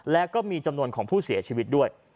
และก็มีจำนวนของผู้เสียชีวิตด้วย